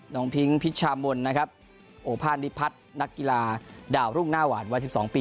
น้องพิงพิชามนโอภาณดิพัฒน์นักกีฬาดาวรุ่งหน้าหวานวัน๑๒ปี